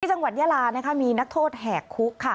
จังหวัดยาลานะคะมีนักโทษแหกคุกค่ะ